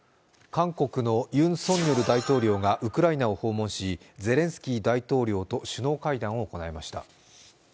韓国のユン・ソンニョル大統領がウクライナを訪問しゼレンスキー大統領と首脳会談を行いました。